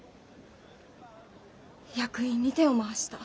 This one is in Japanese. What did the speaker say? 役員に手を回した。